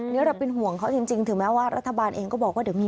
เราเป็นห่วงเขาจริงถึงแม้ว่ารัฐบาลเองก็บอกว่า